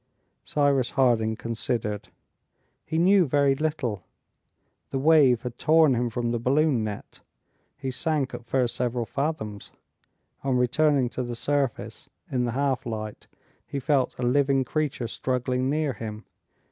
Cyrus Harding considered. He knew very little. The wave had torn him from the balloon net. He sank at first several fathoms. On returning to the surface, in the half light, he felt a living creature struggling near him.